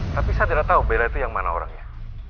tapi saya tidak tahu bela itu yang mana orangnya